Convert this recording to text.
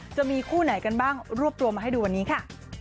จะมีคู่ไหนกันบ้างรวบตัวมาให้ดูวันนี้ค่ะ